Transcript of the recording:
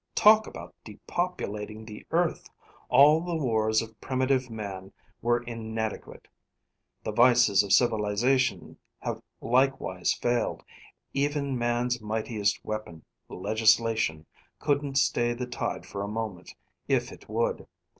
"Talk about depopulating the earth! All the wars of primitive man were inadequate. The vices of civilization have likewise failed. Even man's mightiest weapon, legislation, couldn't stay the tide for a moment, if it would.